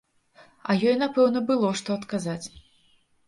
А ёй напэўна было што адказаць.